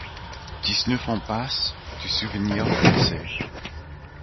dix-neuf impasse du Souvenir Français